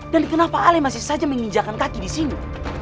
dan kenapa alay masih saja menginjakan kaki di sini